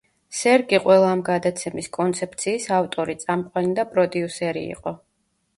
სერგი ყველა ამ გადაცემის კონცეფციის ავტორი, წამყვანი და პროდიუსერი იყო.